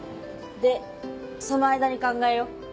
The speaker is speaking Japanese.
でその間に考えよ。